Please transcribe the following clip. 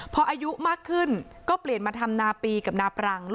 พออายุมากขึ้นก็เปลี่ยนมาทำนาปีกับนาปรัง